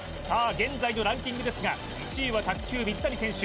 現在のランキングですが１位は卓球水谷選手